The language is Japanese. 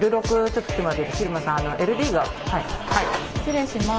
失礼します。